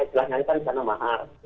jumlahnya kan misalnya mahar